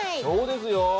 そうですよ。